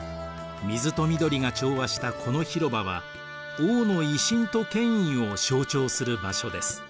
水と緑が調和したこの広場は王の威信と権威を象徴する場所です。